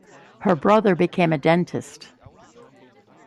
Her brother became a dentist.